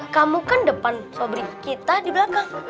kamu kan depan sobri kita dibelakang